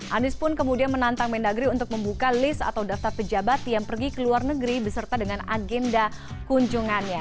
anies pun kemudian menantang mendagri untuk membuka list atau daftar pejabat yang pergi ke luar negeri beserta dengan agenda kunjungannya